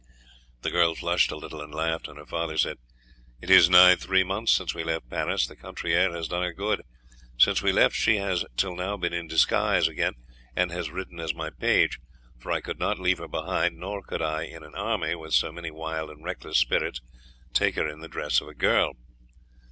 The girl flushed a little and laughed, and her father said: "It is nigh three months since we left Paris; the country air has done her good. Since we left she has till now been in disguise again, and has ridden as my page, for I could not leave her behind, nor could I in an army, with so many wild and reckless spirits, take her in the dress of a girl."